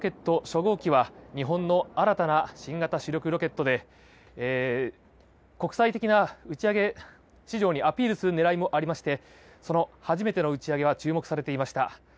Ｈ３ロケット初号機は日本の新たな新型主力ロケットで国際的な打ち上げ市場にアピールする狙いもありましてその初めての打ち上げが注目されていました。